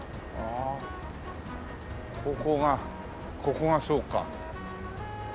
ここがここがそうか。